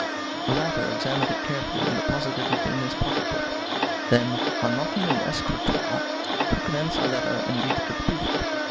The latter examined it carefully and deposited it in his pocketbook; then, unlocking an escritoire, took thence a letter and gave it to the Prefect.